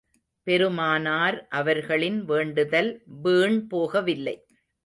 பெருமானார் அவர்களின் வேண்டுதல் வீண் போகவில்லை.